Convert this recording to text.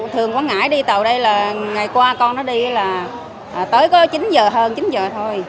thường quảng ngãi đi tàu đây là ngày qua con nó đi là tới có chín giờ hơn chín giờ thôi